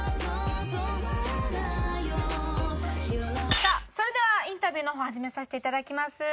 さあそれではインタビューの方始めさせていただきます。